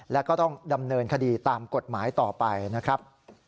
แล้วก็ต้องดำเนินคดีตามกฎหมายต่อไปนะครับ